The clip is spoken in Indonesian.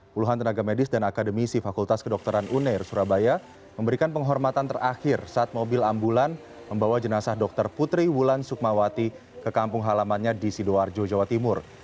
puluhan tenaga medis dan akademisi fakultas kedokteran uner surabaya memberikan penghormatan terakhir saat mobil ambulan membawa jenazah dr putri wulan sukmawati ke kampung halamannya di sidoarjo jawa timur